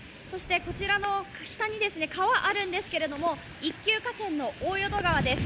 こちらの下に川があるんですけども、一級河川の大淀川です。